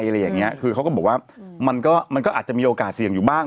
อะไรอย่างเงี้ยคือเขาก็บอกว่ามันก็มันก็อาจจะมีโอกาสเสี่ยงอยู่บ้าง